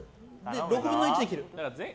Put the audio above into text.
６分の１で切る。